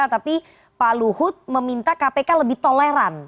tapi pak luhut meminta kpk lebih toleran